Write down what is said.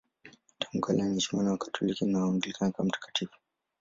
Tangu kale anaheshimiwa na Wakatoliki na Waanglikana kama mtakatifu.